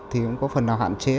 thì cũng có phần nào hạn chế